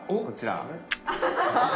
こちら。